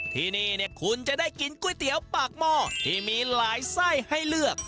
ที่นี่คุณจะได้กินก๋วยเตี๋ยวปากหม้อที่มีหลายไส้ให้เลือก